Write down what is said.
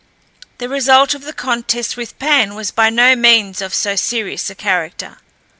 The result of the contest with Pan was by no means of so serious a character.